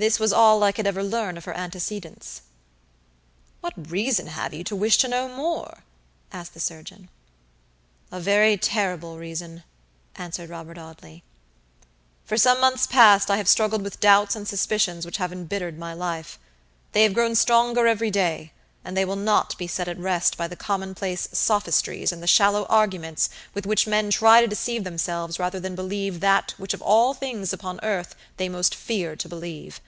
This was all I could ever learn of her antecedents." "What reason have you to wish to know more?" asked the surgeon. "A very terrible reason," answered Robert Audley. "For some months past I have struggled with doubts and suspicions which have embittered my life. They have grown stronger every day; and they will not be set at rest by the commonplace sophistries and the shallow arguments with which men try to deceive themselves rather than believe that which of all things upon earth they most fear to believe.